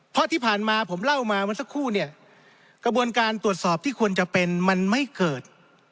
เพราะที่ผ่านมาผมเล่ามาเมื่อสักครู่เนี่ยกระบวนการตรวจสอบที่ควรจะเป็นมันไม่เกิด